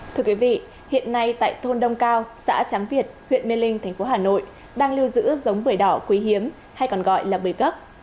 thưa quý vị hiện nay tại thôn đông cao xã tráng việt huyện mê linh tp hcm đang lưu giữ giống bưởi đỏ quý hiếm hay còn gọi là bưởi gấp